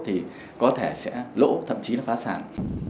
thì có thể sẽ lỗ thậm chí là phá sản